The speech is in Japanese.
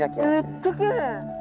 めっちゃきれい！